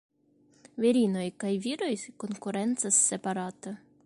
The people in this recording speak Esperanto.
Virinoj kaj viroj konkurencas separate.